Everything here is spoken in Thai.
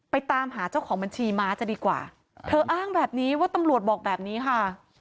ตามหาเจ้าของบัญชีม้าจะดีกว่าเธออ้างแบบนี้ว่าตำรวจบอกแบบนี้ค่ะ